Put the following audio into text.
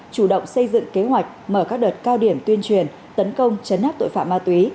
chủ động xây dựng kế hoạch mở các đợt cao điểm tuyên truyền tấn công chấn áp tội phạm ma túy